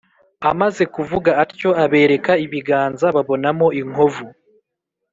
Amaze kuvuga atyo abereka ibiganza babonamo inkovu